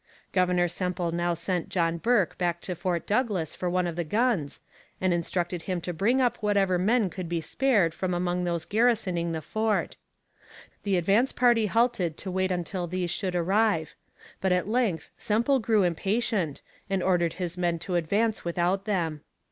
Governor Semple now sent John Bourke back to Fort Douglas for one of the guns, and instructed him to bring up whatever men could be spared from among those garrisoning the fort. The advance party halted to wait until these should arrive; but at length Semple grew impatient and ordered his men to advance without them.